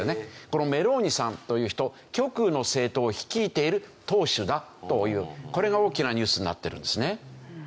このメローニさんという人極右の政党を率いている党首だというこれが大きなニュースになってるんですね。